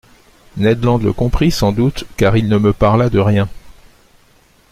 Ned Land le comprit sans doute, car il ne me parla de rien.